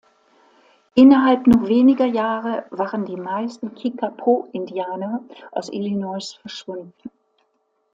Innerhalb nur weniger Jahre waren die meisten Kickapoo-Indianer aus Illinois verschwunden.